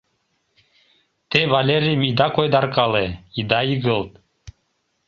— Те Валерийым ида койдаркале, ида игылт.